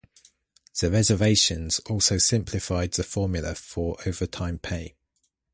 The revisions also simplified the formula for overtime pay.